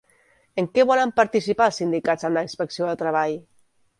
En què volen participar els sindicats amb la Inspecció de Treball?